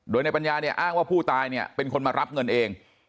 โดยนายปัญญาอ้างว่าผู้ตายเป็นคนมารับเงินเอง